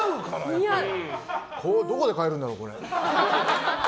どこで買えるんだろう、これ。